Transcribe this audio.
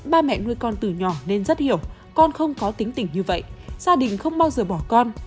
ba mẹ nuôi con từ nhỏ nên rất hiểu con không có tính tỉnh như vậy gia đình không bao giờ bỏ con